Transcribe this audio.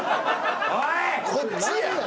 こっちや。